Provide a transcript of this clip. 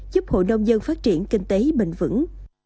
giúp hội nông dân phát triển kinh tế bền vững